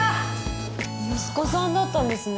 息子さんだったんですね。